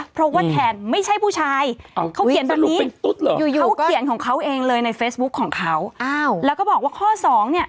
เพราะว่าแทนไม่ใช่ผู้ชาย